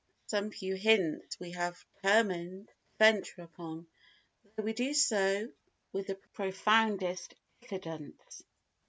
Some few hints we have determined to venture upon, though we do so with the profoundest diffidence.